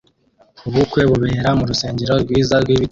Ubukwe bubera mu rusengero rwiza rwibiti